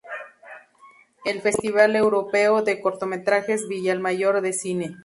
El Festival Europeo de Cortometrajes Villamayor de Cine!